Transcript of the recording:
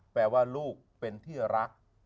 แปลว่าลูกเป็นที่รัก